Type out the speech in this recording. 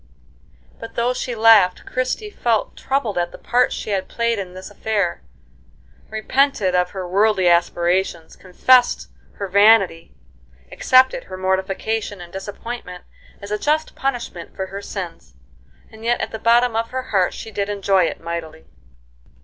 But though she laughed, Christie felt troubled at the part she had played in this affair; repented of her worldly aspirations; confessed her vanity; accepted her mortification and disappointment as a just punishment for her sins; and yet at the bottom of her heart she did enjoy it mightily.